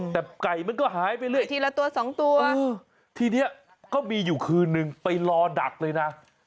แต่ไก่มันก็หายไปเรื่อยทีละตัวสองตัวทีนี้ก็มีอยู่คืนนึงไปรอดักเลยนะ